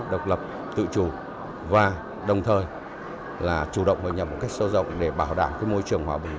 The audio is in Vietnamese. độc lập tự chủ và đồng thời là chủ động hội nhập một cách sâu rộng để bảo đảm môi trường hòa bình